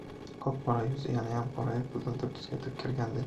Qop-qora yuzi yanayam qorayib, ko‘kimtir tusga kirgandek.